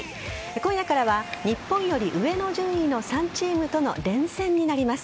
今夜からは日本より上の順位の３チームとの連戦になります。